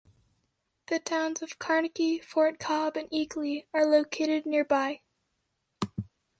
The towns of Carnegie, Fort Cobb, and Eakly are located nearby.